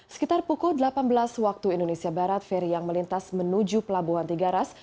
sekitar pukul delapan belas waktu indonesia barat ferry yang melintas menuju pelabuhan tiga ras